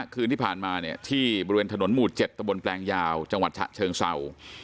ขึ้นที่ผ่านมาที่บริเวณถนนหมูด๗ตระบวนแปลงยาวจังหวัดหถะเชิงเสา